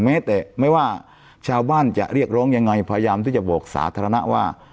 แม้แต่ไม่ว่าชาวบ้านจะเรียกร้องยังไงพยายามที่จะบอกสาธารณะว่า